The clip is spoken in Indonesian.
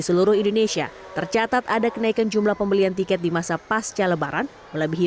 seluruh indonesia tercatat ada kenaikan jumlah pembelian tiket di masa pasca lebaran melebihi